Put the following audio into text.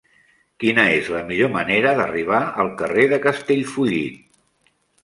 Quina és la millor manera d'arribar al carrer de Castellfollit?